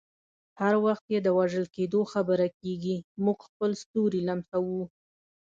هر وخت چې د وژل کیدو خبره کیږي، موږ خپل ستوري لمسوو.